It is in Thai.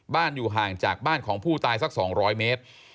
อยู่ห่างจากบ้านของผู้ตายสัก๒๐๐เมตร